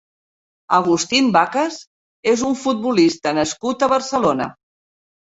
Agustín Vacas és un futbolista nascut a Barcelona.